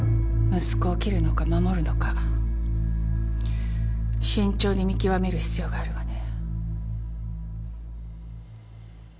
息子を切るのか守るのか慎重に見極める必要があるわね。